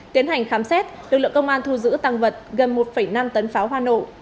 tiến hành khám xét lực lượng công an thu giữ tăng vật gần một năm tấn pháo hoa nổ